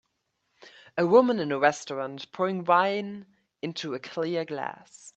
A woman in a restaurant pouring wine into a clear glass.